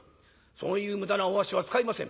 そういう無駄なお足は使いません。